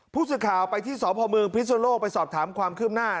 ผู้เสียข่าวไปที่สพมพิศโรโลไปสอบถามความขึ้มหน้า